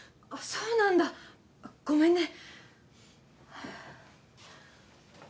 そうなんだごめんね